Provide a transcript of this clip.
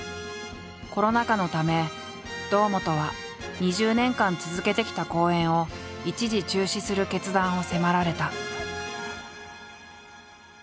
コロナ禍のため堂本は２０年間続けてきた公演を一時中止する決断を迫られた。